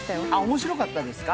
面白かったですか？